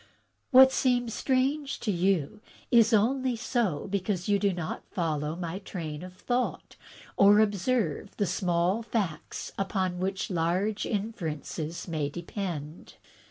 "What seems strange to you is only so because you do not follow my train of thought or observe the small facts upon which large inferences may depend.